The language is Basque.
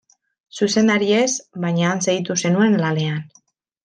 Zuzendari ez, baina han segitu zenuen lanean.